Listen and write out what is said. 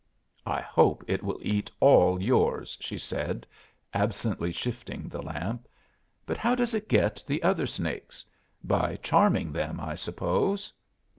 "I hope it will eat all yours," she said, absently shifting the lamp. "But how does it get the other snakes? By charming them, I suppose."